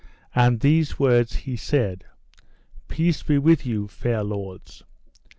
And these words he said: Peace be with you, fair lords.